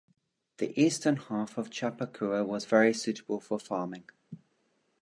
The eastern half of Chappaqua was very suitable for farming.